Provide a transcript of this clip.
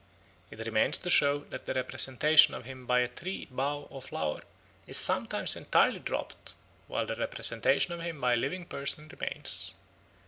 It remains to show that the representation of him by a tree, bough, or flower is sometimes entirely dropped, while the representation of him by a living person remains.